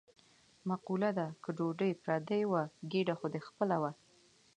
مقوله ده: که ډوډۍ پردۍ وه ګېډه خو دې خپله وه.